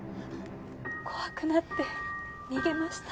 怖くなって逃げました。